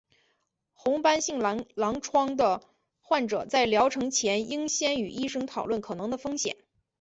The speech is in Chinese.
红斑性狼疮的患者在疗程前应先与医生讨论可能的风险。